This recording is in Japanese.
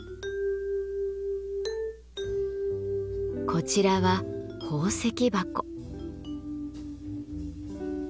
こちらは宝石箱。